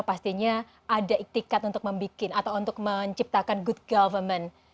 pastinya ada iktikat untuk membuat atau untuk menciptakan good government